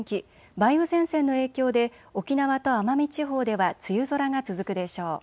梅雨前線の影響で沖縄と奄美地方では梅雨空が続くでしょう。